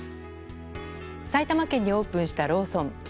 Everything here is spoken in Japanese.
埼玉県にオープンしたローソン。